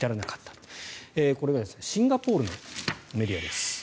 これがシンガポールのメディアです。